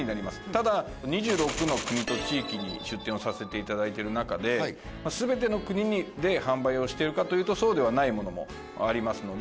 ただ２６の国と地域に出店をさせていただいている中で全ての国で販売をしているかというとそうではないものもありますので